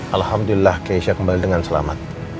alhamdulillah keisha kembali dengan selamat